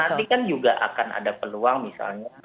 dan nanti kan juga akan ada peluang misalnya